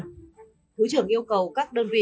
thứ trưởng yêu cầu các đơn vị